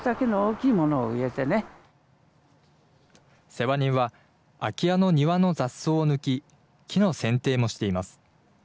世話人は、空き家の庭の雑草を抜き、木のせんていもしています。